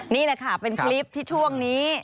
นี่แหละค่ะเป็นคลิปที่ช่วงนี้